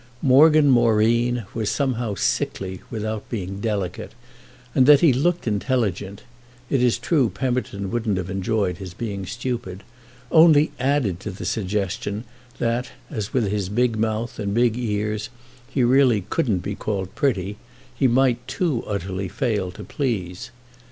Morgan Moreen was somehow sickly without being "delicate," and that he looked intelligent—it is true Pemberton wouldn't have enjoyed his being stupid—only added to the suggestion that, as with his big mouth and big ears he really couldn't be called pretty, he might too utterly fail to please.